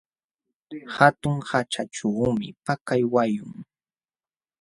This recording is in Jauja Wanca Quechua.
Hatun haćhachuumi pakay wayun.